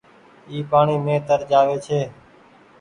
اي پآڻيٚ مين تر جآوي ڇي۔